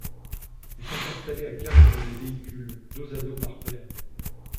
Ils sont installés à quatre dans des véhicules, dos à dos par paires.